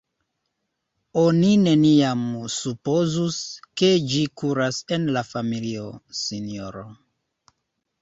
Oni neniam supozus, ke ĝi kuras en la familio, sinjoro.